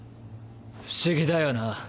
不思議だよな！